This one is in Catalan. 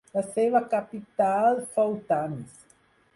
La seva capital fou Tanis.